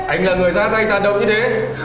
anh là người ra tay tàn động như thế